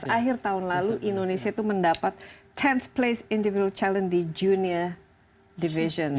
enam belas akhir tahun lalu indonesia itu mendapat sepuluh th place individual challenge di junior division